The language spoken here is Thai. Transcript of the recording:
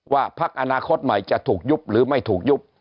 พักอนาคตใหม่จะถูกยุบหรือไม่ถูกยุบ